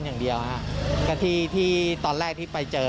อย่างเดียวฮะก็ที่ตอนแรกที่ไปเจอ